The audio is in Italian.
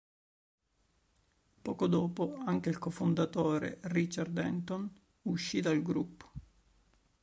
Poco dopo anche il cofondatore Richard Anton uscì dal gruppo.